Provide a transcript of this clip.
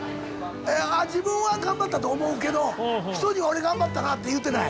自分は頑張ったと思うけど人には俺頑張ったなって言うてない。